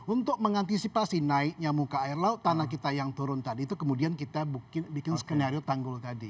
untuk mengantisipasi naiknya muka air laut tanah kita yang turun tadi itu kemudian kita bikin skenario tanggul tadi